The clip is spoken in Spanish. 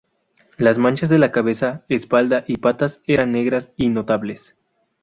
Las manchas de la cabeza, espalda y patas eran negras y notables.